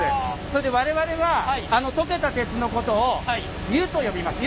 それで我々は溶けた鉄のことを「湯」と呼びます。